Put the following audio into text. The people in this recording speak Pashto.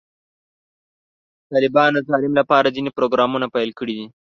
طالبانو د تعلیم لپاره ځینې پروګرامونه پیل کړي دي.